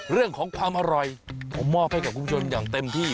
เรื่องของความอร่อยผมมอบให้กับคุณผู้ชมอย่างเต็มที่